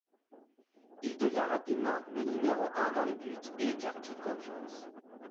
Il devient rapidement le numéro un dans les buts et écarte toutes concurrences.